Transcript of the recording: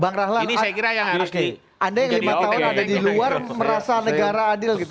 bang rahlan anda yang lima tahun ada di luar merasa negara adil gitu